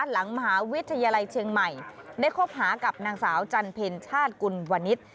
หลังมหาวิทยาลัยเชียงใหม่ได้คบหากับนางสาวจันเพ็ญชาติกุลวนิษฐ์